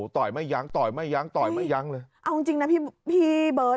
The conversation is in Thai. ต่อยไม่ยั้งต่อยไม่ยั้งต่อยไม่ยั้งเลยเอาจริงจริงนะพี่พี่เบิร์ต